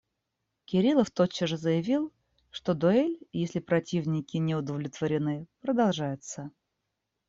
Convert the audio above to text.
Кириллов тотчас же заявил, что дуэль, если противники не удовлетворены, продолжается.